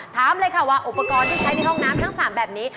ถามเลยค่ะว่าอุปกรณ์ที่ใช้ในห้องน้ำทั้ง๓แบบนี้